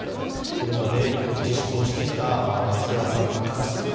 これまで自粛をしてきたお店屋さんからすると